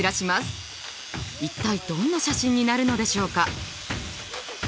一体どんな写真になるのでしょうか？